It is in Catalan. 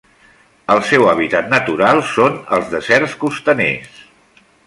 El seu hàbitat natural són els deserts costaners.